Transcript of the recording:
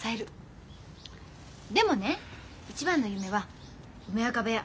でもね一番の夢は梅若部屋